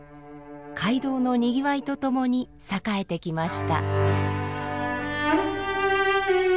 街道のにぎわいとともに栄えてきました。